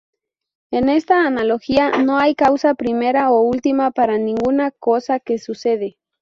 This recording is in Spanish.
En esta analogía, no hay causa primera o última para ninguna cosa que sucede.